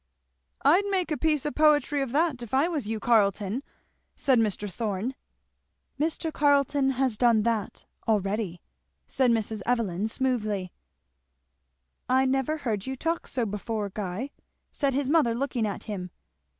"I'd make a piece of poetry of that if I was you, Carleton," said Mr. Thorn. "Mr. Carleton has done that already," said Mrs. Evelyn smoothly. "I never heard you talk so before, Guy," said his mother looking at him.